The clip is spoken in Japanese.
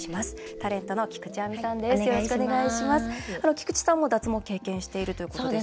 タレントの菊地亜美さんです。